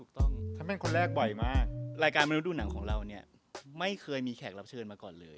ทางมนุษย์ดูหนังของเราเนี่ยไม่เคยมีแขกรับเชิญมาก่อนเลย